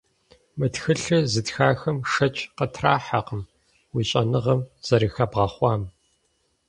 Мы тхылъыр зытхахэм шэч къытрахьэкъым уи щӀэныгъэм зэрыхэбгъэхъуам.